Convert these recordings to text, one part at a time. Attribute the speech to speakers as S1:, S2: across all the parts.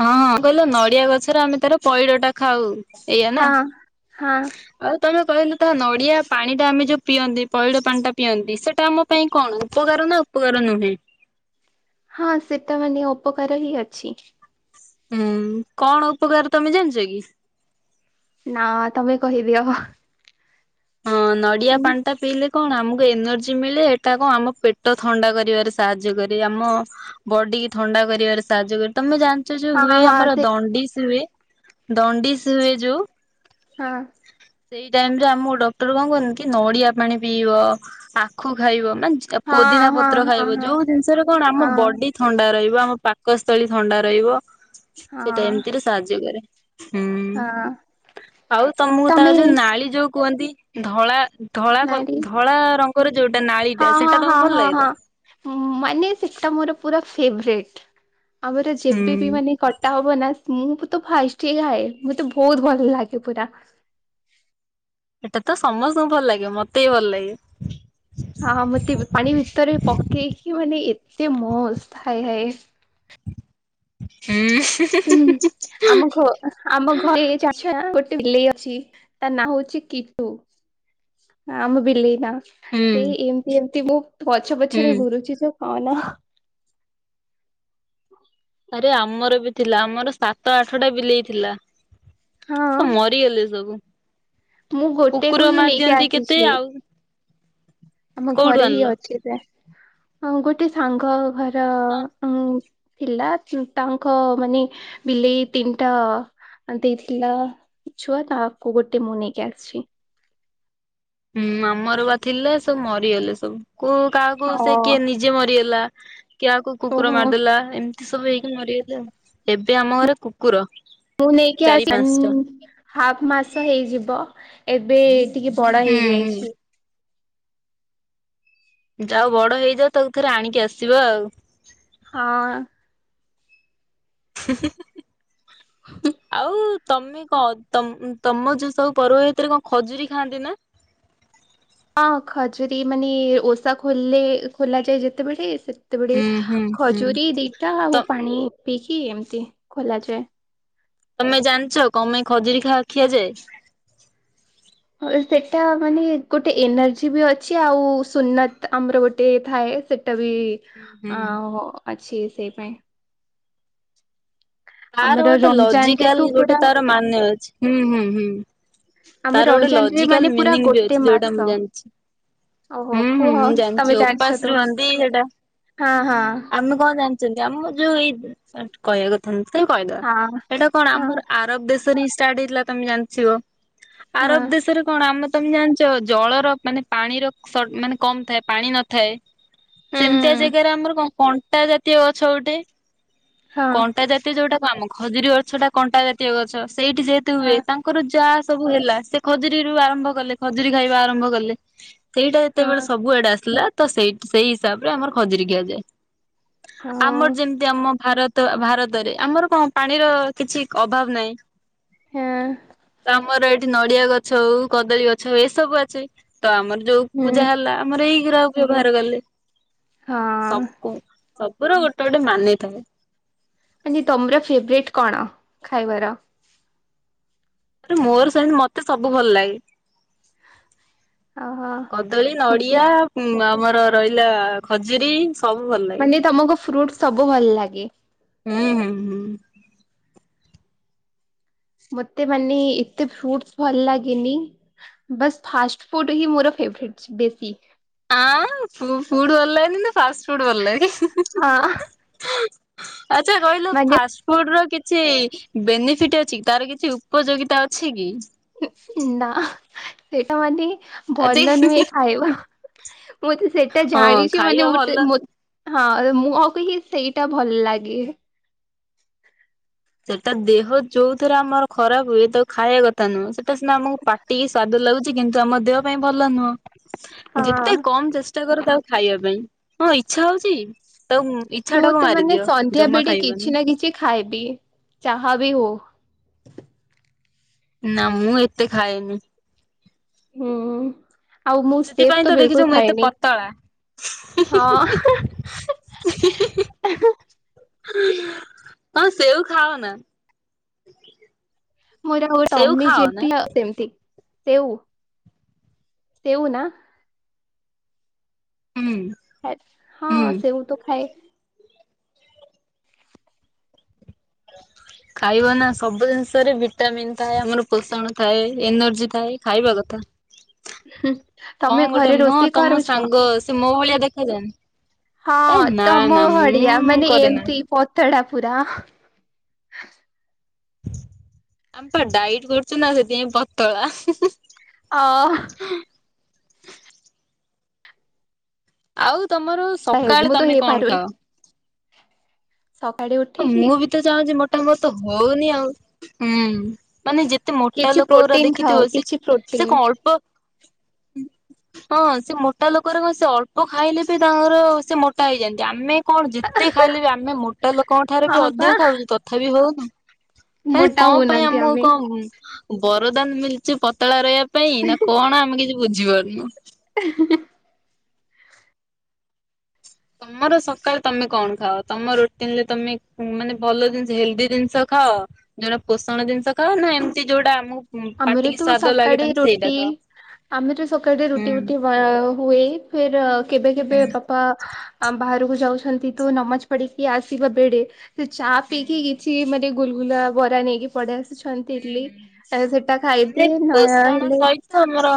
S1: ହଁ କହିଲ ନଡିଆ ଗଛର ଆମେ ତାର ପଇଡ ଟା ଖାଉ ଏଇଆ ନା?
S2: ହଁ ହଁ
S1: ଆଉ ତମେ କହିଲ ତା ନଡିଆ ପାଣି ଟା ଆମେ ଯୋଉ ପିଅନ୍ତି ପଇଡ଼ ପାଣି ଟା ପିଅନ୍ତି ସେଟା ଆମ ପାଇଁ କଣ ଉପକାର ନା ଉପକାର ନୁହେଁ?
S2: ହଁ ସେଟା ମାନେ ଉପକାର ହିଁ ଅଛି।
S1: ହୁଁ କଣ ଉପକାର ତମେ ଜାଣିଚକି?
S2: ନା ତମେ କହିଦିଅ।
S1: ହଁ ନଡିଆ
S2: ମାନେ
S1: ପାଣି ଟା ପିଇଲେ କଣ ଆମକୁ ଏନର୍ଜି ମିଳେ ଏଟା କଣ ଆମ ପେଟ ଥଣ୍ଡା କରିବାରେ ସାହାଯ୍ୟ କରେ ଆମ ବଡିକି ଥଣ୍ଡା କରିବାରେ ସାହାଯ୍ୟ କରେ। ତମେ ଜାଣ ଯୋଉ
S2: ହଁ
S1: ହୁଏ
S2: ହଁ
S1: ଆମର
S2: ସେ
S1: ଦଣ୍ଡିସି ହୁଏ ଦଣ୍ଡିସି ହୁଏ ଯୋଉ?
S2: ହଁ।
S1: ସେଇ ଟାଇମ୍ ରେ ଆମକୁ ଡ଼ ଡ଼କ୍ତଟର କଣ କହନ୍ତି କି ନଡିଆ ପାଣି ପିଇବ ଆଖୁ ଖାଇବ ମାନ ଆ ପୋଦିନା
S2: ହଁ
S1: ପତ୍ର
S2: ହଁ
S1: ଖାଇବ
S2: ହଁ
S1: ଯୋଉ ଜିନିଷରେ କଣ
S2: ହଁ
S1: ଆମ
S2: ହଁ
S1: ବଡି ଥଣ୍ଡା ରହିବ ଆମ ପାକସ୍ଥଳୀ ଥଣ୍ଡା ରହିବ ସେଇଟା
S2: ହଁ
S1: ଏମିତିରେ ସାହାଯ୍ୟ କରେ। ହୁଁ
S2: ହଁ
S1: ଆଉ ତମକୁ ତା
S2: ତମେ
S1: ଯୋଉ ନାଳି ଯୋଉ କୁଅନ୍ତି ଧଳା ଧଳା କ
S2: ନାରୀ
S1: ଧଳା ରଙ୍ଗର ଯୋଉଟା ନାଳି
S2: ହଁ
S1: ଟା
S2: ହଁ
S1: ସେଟା
S2: ହଁ
S1: ତମକୁ ଭଲ
S2: ହଁ
S1: ଲାଗେ ତ?
S2: ହଁ ମାନେ ସେଟା ମୋର ପୁରା ଫେବରେଟ। ଆମର
S1: ହୁଁ
S2: ଯେବେ ବି ମାନେ କଟା ହବ ନା। ମୁଁ ତ ଫାର୍ଷ୍ଟ ରେ ଖାଏ ମତେ ବହୁତ ଭଲ ଲାଗେ ପୁରା।
S1: ଏଟା ତ ସମସ୍ତଙ୍କୁ ଭଲ ଲାଗିବ ମତେ ହି ଭଲ ଲାଗେ।
S2: ହଁ ହଁ ମତେ ବି ପାଣି ଭିତରେ ପକେଇକି ମାନେ ଏତେ ମସ୍ତ ହାଏ ହାଏ।
S1: ହୁଁ ହୁଁ ହୁଁ ହୁଁ ହୁଁ।
S2: ଆମ ଘ ଆମ ଘରେ [unintelligible] ଗୋଟେ ବିଲେଇ ଅଛି। ତା ନାଁ ହଉଛି କିଟୁ ଆମ ବିଲେଇ ନା।
S1: ହୁଁ
S2: ସେଇ ଏମିତି ଏମିତି ମୋ ପଛ
S1: ହୁଁ
S2: ପଛରେ ଘୁରୁଛି [unintelligible] କହନା।
S1: ଆରେ ଆମର ବି ଥିଲା ଆମର ସାତ, ଆଠଟା ବିଲେଇ ଥିଲା। ସ
S2: ହଁ।
S1: ମରିଗଲେ ସବୁ
S2: ମୁଁ ଗୋଟେକୁ
S1: କୁକୁର
S2: ହିଁ ନେଇକି
S1: ମାରିଦିଅନ୍ତି କେତେ
S2: ଆସିଛି
S1: ଆଉ।
S2: ଆମ
S1: କୋଉଠୁ
S2: ଘରେ ହିଁ
S1: ଆଣିଲ?
S2: ଅଛି ସେ ହଁ ଗୋଟେ ସାଙ୍ଗ ଘର ଅଁ। ଥିଲା ତାଙ୍କ ମାନେ ବିଲେଇ ତିନିଟା। ଆଉ ଦେଇଥିଲା ଛୁଆ ତାକୁ ଗୋଟେ ମୁଁ ନେଇକି ଆସିଛି।
S1: ହୁଁ ଆମର ବା ଥିଲେ ସବୁ ମରିଗଲେ ସବୁ କୁ କାହାକୁ
S2: ଓ
S1: ସେ କିଏ ନି ଯେ ମରିଗଲା କାହାକୁ କୁକୁର
S2: ଓହୋ
S1: ମାରିଦେଲା ଏମ ତି ସବୁ ହେଇକି ମରିଗଲେ ଏବେ ଆମ ଘରେ କୁକୁର।
S2: ମୁଁ ନେଇକି
S1: ଚାରି
S2: ଆସି
S1: ପାଞ୍ଚଟା।
S2: [unintelligible] ହାଫ ମାସ ହେଇଯିବ ଏବେ। ଟିକେ ବଡ
S1: ହୁଁ ହୁଁ।
S2: ହେଇଯାଇଛି।
S1: ଯାଉ ବଡ ହେଇଯାଉ ତାକୁ ଥରେ ଆଣିକି ଆସିବ ଆଉ।
S2: ହଁ।
S1: ହୁଁ ହୁଁ ହୁଁ ହୁଁ ଆଉ। ତମେ କଣ ତମ ତମ ଯୋଉ ସବୁ ପର୍ବ ଭିତରେ କଣ ଖଜୁରୀ ଖାଆନ୍ତି ନା?
S2: ହଁ ଖଜୁରୀ ମାନେ ଓଷା ଖୋଲିଲେ ଖୋଲାଯାଏ ଯେତେବେଳେ ସେ ତେବେଡେ
S1: ହୁଁ ହୁଁ ହୁଁ।
S2: ଖଜୁରୀ ଦିଟା
S1: ତ
S2: ଆଉ ପାଣି ପିଇକି ଏମିତି ଖୋଲା ଯାଏ।
S1: ତମେ ଜାଣିଛ କଣ ପାଇଁ ଖଜୁରୀ ଖା ଖିଆଯାଏ?
S2: ହ ଏ ସେଟା ମାନେ ଗୋଟେ ଏନର୍ଜି ବି ଅଛି ଆଉ ସୁନତ ଆମର ଗୋଟେ ଥାଏ ସେ। ଟା ବି
S1: ହୁଁ ହୁଁ।
S2: ଆଁ ଓ ଅଛି ସେଇ ପାଇଁ।
S1: ତାର
S2: ଆମର
S1: ଗୋଟେ
S2: ରମଜାନ ରେ ତୁ
S1: ଲଜିକାଲ
S2: ପୁରା
S1: ଗୋଟେ ତାର ମାନେ ଅଛି ହୁଁ ହୁଁ ହୁଁ।
S2: ଆମେ
S1: ତାର ଗୋଟେ
S2: ରମଜାନ ରେ ମାନେ
S1: ଲଜିକାଲ
S2: ପୁରା
S1: ମିନିଙ୍ଗ ବି
S2: ଗୋଟେ
S1: ଅଛି ଯୋଉଟା
S2: ମାସ
S1: ମୁଁ ଜାଣିଛି।
S2: ଓହୋ
S1: ହୁଁ ହୁଁ
S2: କୁହ
S1: ମୁଁ
S2: ତମେ
S1: ଜାଣିଛି
S2: ଜାଣିଛ ତ
S1: ଓପାସ ରୁହନ୍ତି ସେଟା
S2: ହଁ ହଁ
S1: ଆମେ କଣ ଜା ଛନ୍ତି ଆମ ଯୋଉ ଏଇ କହିବା [unintelligible] ତ କହିଦବା
S2: ହଁ
S1: ଏଇଟା କଣ
S2: ହଁ
S1: ଆମର ଆରବ ଦେଶରେ ହିଁ ଷ୍ଟାର୍ଟ ହେଇଥିଲା ତମେ ଜାଣିଥିବ।
S2: ହଁ
S1: ଆରବ ଦେଶରେ କଣ ଆମ ତମେ ଜାଣିଛ ଜଳର ମାନେ ପାଣିର ସର ମାନେ କମ ଥାଏ ପାଣି ନ ଥାଏ ସେମିତିଆ
S2: ହୁଁ
S1: ଜାଗାରେ ଆମର କଣ କଣ୍ଟା ଜାତୀୟ ଗଛ ଉଠେ।
S2: ହଁ।
S1: କଣ୍ଟା ଜାତୀୟ ଯୋଉଟା କୁ ଆମ ଖଜୁରୀ ଗଛଟା କଣ୍ଟା ଜାତୀୟ ଗଛ ସେଇଠି ଯେହେତୁ ହୁଏ
S2: ହଁ
S1: ତାଙ୍କର ଯାହା ସବୁ ହେଲା ସେ। ଖଜୁରୀରୁ ଆରମ୍ଭ କଲେ ଖଜୁରୀ ଖାଇବା ଆରମ୍ଭ କଲେ। ସେଇଟା
S2: ହଁ
S1: ଯେତେବେଳେ ସବୁଆଡେ ଆସିଲା ତ ସେଇଟ ସେଇ ହିସାବ ରେ ଆମର ଖଜୁର ଖୀଆଯାଏ।
S2: ହଁ
S1: ଆମର ଯେମିତି ଆମ ଭାରତ ଭାର ତରେ ଆମର କଣ ପାଣିର କିଛି ଅଭାବ ନାହିଁ।
S2: ହଁ।
S1: ତ ଆମର ଏଇଠି ନଡିଆ ଗଛ ହଉ କଦଳୀ ଗଛ ଏସବୁ ଅଛି ତ ଆମର ଯୋଉ
S2: ହୁଁ
S1: ପୂଜା ହେଲା। ଆମର ଏଇ ବ୍ୟବହାର କଲେ
S2: ହଁ
S1: ସବୁ ସବୁର ଗୋଟେ ଗୋଟେ ମାନିଥାଏ।
S2: ଆ ତମର ଫେବରଟ କଣ ଖାଇବାର?
S1: ଆରେ ମୋର ସେ ମତେ ସବୁ ଭଲ ଲାଗେ।
S2: ଓହୋ
S1: କଦଳୀ,
S2: ମତେ
S1: ନଡିଆ ଆମର ରହିଲା ଖଜୁରୀ- -
S2: ମାନେ ତମକୁ ଫ୍ରୁଟ ସବୁ ଭଲ ଲାଗେ।
S1: ହୁଁ ହୁଁ ହୁଁ
S2: ମତେ ମାନେ ଏତେ ଫ୍ରୁଟ ଭଲ ଲାଗେନି? ବାସ୍ ଫାଷ୍ଟ ଫୁଡ ହିଁ ମୋର ଫେଭଟ୍ ବେଶୀ।
S1: ହ ଫ ଫୁଡ଼ ବଲ ନି ନା ଫାଷ୍ଟଟ ଫୁଡ଼ ବଲ ଲାଗେ।
S2: ହଁ
S1: ଆଚ୍ଛା କହିଲୁ
S2: ମାନେ
S1: ଫାଷ୍ଟ - - ଫୁଡ ର କିଛି ବେନିଫିଟ ଅଛି ତାର କିଛି ଉପଯୋଗିତା ଅଛି କି?
S2: ନା ସେଟା ମାନେ- -
S1: ଆ ଦେ
S2: ଭଲ ନୁହେଁ ଖାଇବା ମୁଁ ତ ସେଇଟା
S1: ହଁ
S2: ଜାଣିଚି
S1: ଖାଇବା
S2: ମାନେ-
S1: ଭଲ
S2: - ହଁ ମୁଁ ଆକୁ ହିଁ ସେଇଟା ଭଲ ଲାଗେ।
S1: ସେଟା ଦେହ ଯୋଉ ଥରେ ଆମର ଖରାପ ହୁଏ ତା ଖାଇବା କଥା ନୁହଁ? ସେଟା ସିନା ଆମକୁ ପା - - ଟିକେ ସ୍ବାଦ ଲାଗୁଛି କିନ୍ତୁ ଆମ ଦେହ ପାଇଁ ଭଲ ନୁହଁ?
S2: ହଁ
S1: ଯେତେ କମ ଚେଷ୍ଟା କର ତାକୁ ଖାଇବା ପାଇଁ ହଁ ଇଚ୍ଛା ହଉଚି। ତ ଇଛା
S2: ମୁଁ
S1: ଟାକୁ
S2: ତ ମାନେ
S1: ମାରିଦିଅ
S2: ସନ୍ଧ୍ୟା
S1: ଜମା
S2: ବେଳେ କିଛି
S1: ଖାଇବନି।
S2: ନା କିଛି ଖାଇବି ଚାହା ବି ହଉ।
S1: ନା ମୁଁ ଏତେ ଖାଏନି।
S2: ହୁଁ ଆଉ ମୁଁ
S1: ସେଥିପାଇଁ
S2: ସେପ ତ
S1: ଦେଖିଛ
S2: ବିଲକୁଲ
S1: ମୁଁ ଏତେ
S2: ଖାଏନି।
S1: ପତଳା
S2: ହଁ ହେଁ ହେଁ ହୁଁ ହୁଁ
S1: ହଁ ସେଉ ଖାଅ ନ?
S2: ମୋର ଆଉ ଗୋଟେ ଅମି ଯେମତି ଆଉ ସେମିତି ସେଉ ସେଉ ନା
S1: ହୁଁ
S2: ଖ ହଁ
S1: ହୁଁ
S2: ସେବ ତ ଖାଏ।
S1: ହ ଖାଇବ ନା ସବୁ ଜିନିଷରେ ଭିଟାମିିନ ଥାଏ। ଆମର ପୋଷଣ ଥାଏ। ଏନର୍ଜି ଥାଏ ଖାଇବା କଥା।
S2: ହୁଁ ତମେ
S1: କଣ ଗୋଟେ
S2: ଘରେ
S1: ନଁ
S2: ରୋଷେଇ
S1: ତମ
S2: କରୁଛ?
S1: ସାଙ୍ଗ ସେ ମୋ ଭଳିଆ ଦେଖାଯାନ୍ତି।
S2: ହଁ ତମ ଭଡିଆ ମାନେ
S1: କରେନା
S2: ଏମତି ପତଡା ପୁରା।
S1: ଆମେ ତ ଡାଇଟ କରୁଚୁ ନା ସେଥିପାଇଁ ପତଳା।
S2: ଆଁ ହ
S1: ଆଉ ତମର ସକାଳେ
S2: ମୁଁ ତ
S1: ତମେ କଣ
S2: ହେଇପାରୁନି।
S1: ଖାଅ?
S2: ସକାଳେ ଉଠି
S1: ମୁଁ ବି ତ ଚାହୁଁଚି ମୋଟାାମୋଟ ତ ହଉନି ଆଉ ହୁଁ ମାନେ ଯେ- - ଏତେ ମୋଟା
S2: କିଛି
S1: ଲୋକର
S2: ପ୍ରୋଟିନ ଖାଅ
S1: ଦେଖିଥିବ ସେ
S2: କିଛି
S1: ସେ
S2: ପ୍ରୋଟିନ।
S1: କଂ ଅଳ୍ପ ହଁ ସେ ମୋଟା ଲୋକରେ କଣ ସେ ଅଳ୍ପ ଖାଇଲେ ବି ତାଙ୍କର ସେ ମୋଟା ହେଇଯାନ୍ତି ଆମେ - - କଣ ଯେତେ ଖାଇଲେ ବି ଆମେ ମୋଟା ଲୋକଙ୍କ ଠାରୁ ବି
S2: ହଁ ପା
S1: ଅଧିକ ଖାଉଛୁ ତଥାପି ହଉନି। ଆରେ
S2: ମୋଟା
S1: କଂ ପାଇଁ
S2: ହଉନାହାନ୍ତି
S1: ଆମକୁ
S2: ଆମେ।
S1: କଂ ବରଦାନ ମିଳିୁଛି ପତଳା ରହିବା ପାଇଁ ନା କଣ ଆମେ କିଛି ବୁଝି ପାରୁନୁ।
S2: ଇ ହି ହିଁ
S1: ତମର ସକାଳେ ତମେ କଣ ଖାଅ ତମ ରୁଟିନ ରେ ତମେ ମାନେ ଭଲ ଜିନିଷ ହେଲଦି ଜିନିଷ - - ଖାଅ। ଯୋଉଟା ପୋଷଣ ଜିନିଷ ଖାଅ ନା ଏମିତି ଯୋଉଟା ଆମକୁ
S2: ଆମର
S1: ପାଟିକି
S2: ତ ମୁଁ
S1: ସ୍ଵାଦ ଲାଗେ
S2: ସକାଳେ
S1: ତମେ ସେଇଟା
S2: ରୁଟି।
S1: ଖାଅ।
S2: ଆମେ ତ ସକାଳେ
S1: ହୁଁ।
S2: ରୁଟି ଉଟି ହୁଏ। ଫିର୍ କେବେ
S1: ହୁଁ
S2: କେବେ ବାପା ବାହାରକୁ ଯାଉଛନ୍ତି। ତୁ ନମାଜ ପଢିକି ଆସିବା ବେଳେ ସେ ଚା
S1: ହୁଁ
S2: ପିଇକି କିଛି ମାନେ ଗୁଲଗୁଲା, ବରା ନେଇକି ପଡେଇ ଆସୁଛନ୍ତି।
S1: ହୁଁ
S2: ଇଡଲି
S1: ହୁଁ
S2: ସେଟା
S1: ମାନେ
S2: ଖାଇଦିଏ। ନ
S1: ପୋଷଣ
S2: ହେଲେ
S1: ସହିତ ଆମର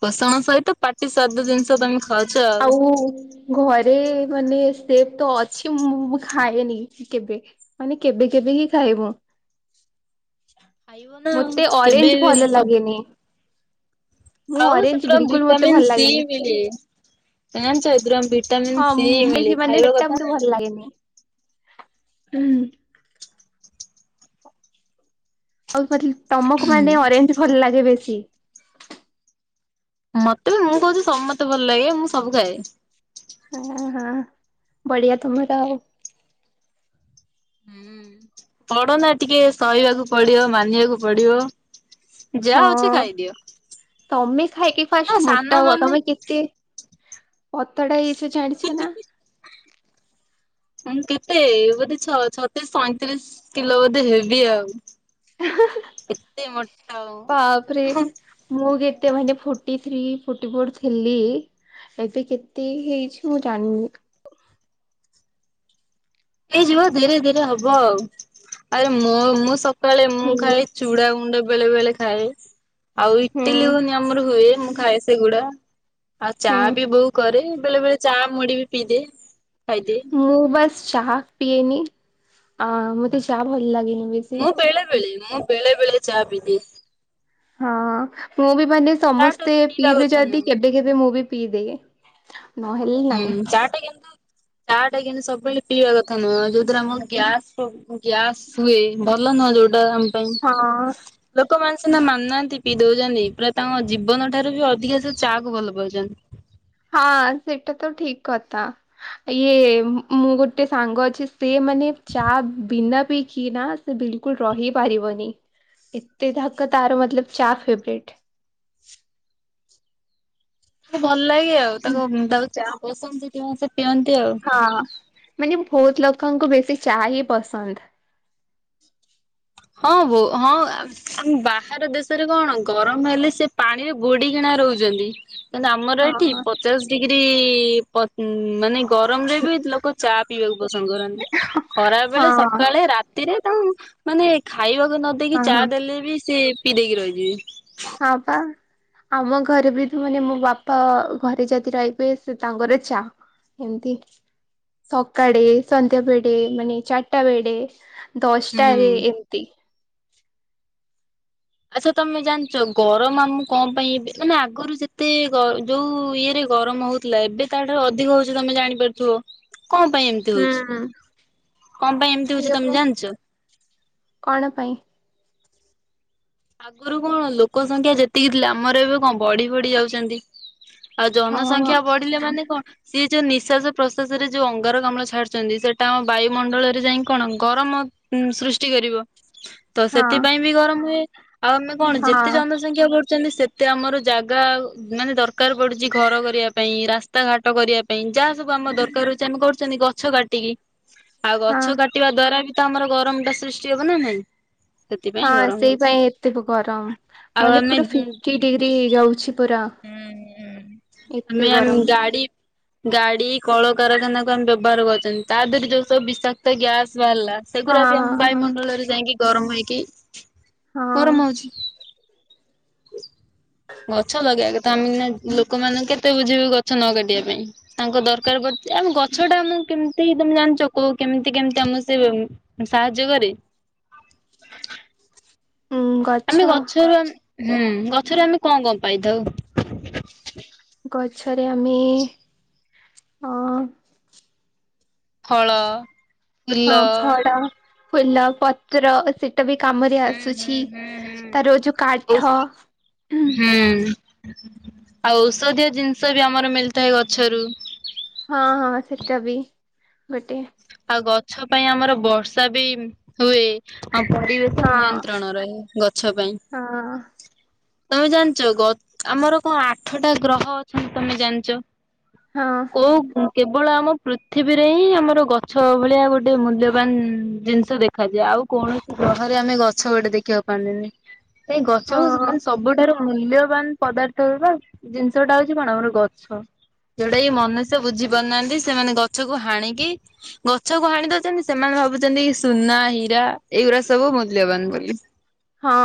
S1: ପୋଷଣ ସହିତ ପାଟି ସ୍ୱାଦ ଜିନିଷ ତମେ
S2: ଆଉ ଘରେ ମାନେ ସେ ତ ଅଛି। ମୁଁ ଖାଏନି କେବେ? ମାନେ କେବେ କେବେ ହିଁ ଖାଇବ।
S1: ଖାଇବ ନା ଆଉ
S2: ମତେ
S1: କେବେ
S2: ଅରେଞ୍ଜ ଭଲ
S1: ସବୁ
S2: ଲାଗେନି। ମୁଁ
S1: ଆଉ
S2: ଅରେଞ୍ଜ
S1: ସେଥିରୁ ଆମକୁ
S2: ବିଲକୁଲ ମତେ ଭଲ
S1: ଭିଟାମିିନ ସି
S2: ଲାଗେନି
S1: ମିଳେ। [unintelligible]
S2: ହଁ,
S1: ସି ମିଳେ
S2: ମୁଁ ମାନେ
S1: ଖାଇବା
S2: ସେଟା
S1: କଥା ନା।
S2: ଭଲ ଲାଗେନି। ଆଉ ତମକୁ ମାନେ ଅରେଞ୍ଜ ଭଲ ଲାଗେ ବେଶୀ?
S1: ମତେ ବି ମୁଁ କହୁଛି ସମସ୍ତେ ଭଲ ଲାଗେ। ମୁଁ ସବୁ ଖାଏ।
S2: ହଁ, ହଁ, ବଢିଆ ତମର ଆଉ।
S1: ବଡ଼ ନା ଟିକେ ସହିବାକୁ ପଡିବ, ମାନିବାକୁ ପଡିବ। ଯାହା ଅଛି
S2: ହଁ,
S1: ଖାଇଦିଅ।
S2: ତମେ ଖାଇକି
S1: ହଁ
S2: ଫାଷ୍ଟ ମୋଟା
S1: ସାନ
S2: ହୁଅ,
S1: ମାନେ
S2: ତମେ କେ କେତେ ପତଳା ହେଇଯାଇଛ ଜାଣିଛ ନା?
S1: [inaudible] ମୁଁ କେତେ ବୋଧେ ଛ ଛତିଶ୍ ଶଇଁତିରିଶ କିଲୋ ବୋଧେ ହେବି ଆଉ। ଏତେ ମୋଟା।
S2: ବାପରେ ମୁଁ କେତେ ମାନେ ଫୋର୍ଟି ଥ୍ରୀ ଫୋଟି ଫୋର ଥିଲି ଏବେ କେତେ ହେଇଛି ମୁଁ ଜାଣିନି?
S1: ହେଇଯିବ ଧୀରେ ଧୀରେ ହବ ଆଉ। ଆରେ ମୁଁ ମୁଁ ସକାଳେ ମୁଁ
S2: ହେଇନି
S1: ଖାଇ ଚୁଡା ଗୁଣ୍ଡ ବେଳେ ବେଳେ ଖାଏ। ଆଉ ଇଟିଲି
S2: ହୁଁ
S1: ଘୁଘୁନି ଆମର ହୁଏ, ମୁଁ ଖାଏ ସେଗୁଡା। ଆଉ ଚା
S2: ହୁଁ।
S1: ବି ବୋଉ କରେ, ବେଳେ ବେଳେ ଚା ମୁଢି ବି ପିଇଦିଏ। ଖାଇଦିଏ
S2: ମୁଁ ବାସ୍ ଚାହା ପିଏନି। ଅ ମତେ ଚା ଭଲ ଲାଗେନି ବି
S1: ମୁଁ ବେଳେବେେଳେ, ମୁଁ ବେଳେବେେଳେ ଚା ପିଦିଏ।
S2: ହଁ। ମୁଁ ବି ମାନେ
S1: ଚା ଟା
S2: ସମସ୍ତେ
S1: ତ ପିଇବା
S2: ପିଇବେ
S1: କଥା
S2: ଯଦି କେ
S1: ନୁହଁ।
S2: କେବେକେବେ ମୁଁ ବି ପିଇଦିଏ। ନହେଲେ
S1: ହୁଁ,
S2: ନାଇଁ।
S1: ଚାହା ଟେ କିନ୍ତୁ ଚାହା ଟା କିନ୍ତୁ ସବୁବେଳେ ପିଇବା କଥା ନୁହେଁ। ଯୋଉଥିରେ ଆମର ଗ୍ୟା ଗ୍ୟାସ ହୁଏ, ଭଲ ନୁହଁ ଯୋଉଟା ଆମ ପାଇଁ
S2: ହଁ
S1: ଲୋକମାନେ ସିନା ମାନୁନାହାନ୍ତି ପିଇ ଦଉଛନ୍ତି। ପୁରା ତାଙ୍କ ଜୀବନ ଠାରୁ ବି ଅଧିକା ସେ ଚାହା କୁ ଭଲ ପାଉଛନ୍ତି।
S2: ହଁ, ସେଇଟା ତ ଠିକ କଥା। ଇଏ ମୁଁ ଗୋଟେ ସାଙ୍ଗ ଅଛି ସେ ମାନେ ଚାହା ବିନା ପି କି ନା ସେ ବିଲକୁଲ ରହି ପାରିବନି। ଏତେ ଯାକ ତାର ମତଲବ ଚା ଫେବରେଟ।
S1: ଭଲ ଲାଗେ ଆଉ। ତାକୁ, ତାକୁ ଚା ପସନ୍ଦ ସେଠି ସେ ପିଅନ୍ତି। ଆଉ।
S2: ହଁ, ମାନେ ବହୁତ ଲୋକଙ୍କୁ ବେଶୀ ଚାହା ହିଁ ପସନ୍ଦ।
S1: ହଁ, ବୋ, ହଁ, ଆମ ବାହାର ଦେଶରେ କଣ ଗରମ ହେଲେ ସେ ପାଣିରେ ବୁଡି କିନା ରହୁଛନ୍ତି। କିନ୍ତୁ ଆମର ଏଠି
S2: ହଁ
S1: ପଚାଶ ଡିଗ୍ରୀ ମାନେ ଗରମ ରେ ବି ଲୋକ ଚା ପିଇବାକୁ ପସନ୍ଦ କରନ୍ତିି। ଖରାବେଳେ,
S2: ହଁ
S1: ସକାଳେ, ରା ରାତିରେ ତାଙ୍କୁ ମାନେ ଖାଇବାକୁ ନ ଦେଇକି ଚା
S2: ହଁ
S1: ଦେଲେ ବି, ସେ ପିଇ ଦେଇ କି ରହିଯିବେ।
S2: ହଁ, ପା। ଆମ ଘରେ ବି ମାନେ ମୋ ବାପା ଘରେ ଯଦି ରହିବେ ସେ ତାଙ୍କର ଚା ଏମିତି ସକାଳେ, ସନ୍ଧ୍ୟା ବେଡେ, ମାନେ ଚାଟା ବେଡେ
S1: ହୁଁ।
S2: ଦଶଟାରେ ଏତି
S1: ଆଛା, ତମେ ଜାଣିଛ ଗରମ ଆମକୁ କଣ ପାଇଁ ମାନେ ଆଗରୁ ଯେତେ ଯୋଉ ଇଏରେ ଗରମ ହଉ ଥିଲା ଏବେ ତାଠାରୁ ଅଧିକ ହୋଉଛି ତମେ ଜାଣିପାରୁଥିବ, କଣ ପାଇଁ ଏମ ତି ହୋଉଛି
S2: ହୁଁ।
S1: କଣ ପାଇଁ ଏମତି
S2: ସେ
S1: ହୋଉଛି ତମେ
S2: ଆପଣ
S1: ଜାଣିଛ?
S2: କଣ ପାଇଁ?
S1: ଆଗରୁ କଣ ଲୋକ ସଂଖ୍ୟା ଯେତିକି ଥିଲେ, ଆମର ଏବେ କଣ ବଢି ବଢି ଯାଉଚନ୍ତି ଆଉ
S2: ହଁ
S1: ଜନସଂଖ୍ୟା ବଢିଲେ ମାନେ କଣ ସିଏ ଯୋଉ ନିଶ୍ୱାସ ପ୍ରଶାସ ରେ ଯୋଉ ଅଙ୍ଗାର କାମ୍ଲ ଛାଡୁଛନ୍ତି ସେଟା ଆମ ବାୟୁମଣ୍ଡଳରେ ଯାଇ କଣ ଗରମ ଉ ସୃଷ୍ଟି କରିବ ତ
S2: ହଁ
S1: ସେଥିପାଇଁ ବି ଗରମ ହୁଏ ଆଉ ଆମେ କଣ
S2: ହଁ
S1: ଯେତେ ଚନ୍ଦ୍ ସଂଖ୍ୟା ବଢୁଛନ୍ତି ସେତେ ଆମର ଜାଗା ଆଉ ମାନେ ଦରକାର ପଡୁଛି ଘର କରିବା ପାଇଁ ରାସ୍ ତା ଘାଟ କରିବା ପାଇଁ ଯାହା ସବୁ ଆମ ଦରକାର ହଉଛି ଆମେ କରୁଛନ୍ତି ଗଛ କାଟିକି ଆଉ
S2: ହଁ
S1: ଗଛ କାଟିବା ଦ୍ଵାରା ବି ତ ଆମର ଗରମ ଟା ସୃଷ୍ଟି ହବ ନା ନାଇଁ।
S2: ହଁ
S1: ସେଥିପାଇଁ ଗରମ
S2: ସେଇ
S1: ହଉଛି।
S2: ପାଇଁ ଏତେ ଫୁ ଗରମ
S1: ଆଉ
S2: ମାନେ ପୁରା
S1: ଆମେ
S2: ଫିଫ୍ଟି ଡିଗ୍ରୀ ଯାଉଛି ପୁରା।
S1: ହୁଁ ହୁଁ
S2: ଏତେ
S1: ଆମେ ଆମ
S2: ଗରମ
S1: ଗାଡି ଗାଡି କଳକାରଖାନା କୁ ଆମେ ବ୍ୟବହାର କରୁଛନ୍ତି ତା ଦେହରେ ଯୋଉ ସବୁ ବିଷାକ୍ତ ଗ୍ୟାସ ବାହାରିଲା ସେଗୁରା
S2: ହଁ
S1: ବି ଆମ
S2: ହଁ
S1: ବାୟୁମଣ୍ଡଳରେ ଯାଇକି ଗରମ ହେଇକି
S2: ହଁ
S1: ଗରମ ହୋଉଛି। ଗଛ ଲଗେଇବା କଥା ଆମେ ନା ଲୋକମାନଙ୍କୁ କେତେ ବୁଝିବୁ ଗଛ ନ କାଟିବା ପାଇଁ। ତାଙ୍କ ଦରକାର ପଡୁଛି ଆମ ଗଛ ଟା ଆମ କେମିତି ତମେ ଜାଣିଛ କ କେମିତି କେମତି ଆମ ସେ ସାହାଯ୍ୟ କରେ।
S2: ଉଁ ଗଛ
S1: ଆମେ ଗଛରୁ ଆମ ହୁଁ ଗଛରୁ ଆମେ କଣ କଣ ପାଇଥାଉ?
S2: ଗଛରେ ଆମେ ହଁ
S1: ଫଳ ଫୁଲ
S2: ହଁ ଫଡ ଫୁଲ ପତ୍ର ସେ ଟା ବି କାମରେ
S1: ହୁଁ ହୁଁ
S2: ଆସୁଛି
S1: ହୁଁ
S2: ତାର ଯୋଉ
S1: ହୁଁ
S2: କାଠ ହୁଁ
S1: ଆଉ ଔଷଧୀୟ ଜିନିଷ ବି ଆମର ମିଳିଥାଏ ଗଛରୁ।
S2: ହଁ ହଁ ସେଟା ବି ଗୋଟେ।
S1: ଆଉ ଗଛ ପାଇଁ ଆମର ବର୍ଷା ବି ହୁଏ। ଆଉ ପରିବେଶ
S2: ହଁ
S1: ନିୟନ୍ତ୍ରଣ ରହେ ଗଛ ପାଇଁ।
S2: ହଁ।
S1: ତମେ ଜାଣିଚ ଗ ଆମର କଣ ଆଠଟା ଗ୍ରହ ଅଛନ୍ତି ତମେ ଜାଣିଚ?
S2: ହଁ।
S1: କୋଉ କେବଳ ଆମ ପୃଥିବୀରେ ହିଁ ଆମର ଗ ଛ ଭଳିଆ ଗୋଟେ ମୂଲ୍ୟବାନ ଜିନିଷ ଦେଖାଯାଏ ଆଉ କୌଣସି ଗ୍ରହରେ ଆମେ ଗଛ ଗୋଟେ ଦେଖିବାକୁ ପାନ୍ତିନି ନାହିଁ ସେଇ ଗଛ
S2: ହଁ
S1: ମାନେ ସବୁଠାରୁ ମୂଲ୍ୟବାନ ପଦାର୍ଥର ଜିନିଷଟା ହଉଛି କଣ ଆମର ଗଛ। ଯୋଉଟାକି ମନୁଷ୍ୟ ବୁଝି ପାରୁନାହାନ୍ତି ସେମାନେ ଗଛକୁୁ ହାଣିକି ଗଛ କୁ ହାଣି ଦଉଚନ୍ତି ସେମାନେ ଭାବୁଛନ୍ତି ସୁନା, ହୀରା ଏଇଗୁଡା ସବୁ ମୂଲ୍ୟବାନ ବୋଲି।
S2: ହଁ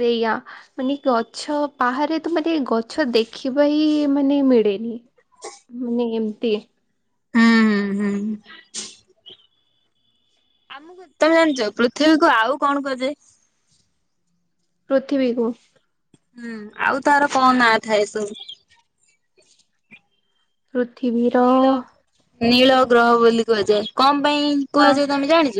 S2: ସେଇଆ ମାନେ ଗଛ ବାହାରେ ତ ମାନେ ଗଛ ଦେଖିବା ହିଁ ମାନେ ମିଡେନି। ମାନେ ଏମତି।
S1: ହୁଁ ହୁଁ ହୁଁ। ଆମକୁ ତମେ ଜାଣିଚ ପୃଥିବୀକୁ ଆଉ କଣ କୁହାଯାଏ?
S2: ପୃଥିବୀକୁ।
S1: ହୁଁ ଆଉ ତାର କଣ ନା ଥାଏ ସବୁ।
S2: ପୃଥିବୀର
S1: ନୀଳ ନୀଳ ଗ୍ରହ ବୋଲି କୁହାଯାଏ କଁ ପାଇଁ
S2: ହଁ
S1: କୁହାଯାଏ ତମେ ଜାଣିଚ?